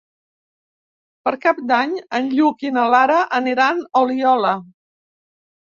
Per Cap d'Any en Lluc i na Lara aniran a Oliola.